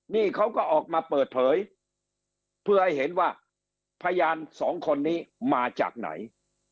นี่เขาก็ออกมาเปิดเผยเพื่อให้เห็นว่าพยานสองคนนี้มาจากไหน